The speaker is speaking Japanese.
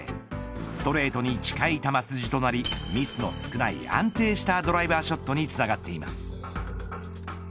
ストレートに近い球筋となりミスの少ない安定したドライバーショットにつながっています。